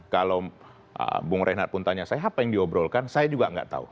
kalau bung reinhardt pun tanya saya apa yang diobrolkan saya juga nggak tahu